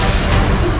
akan kau menang